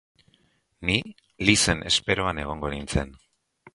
Ni Lizen esperoan egongo nintzen.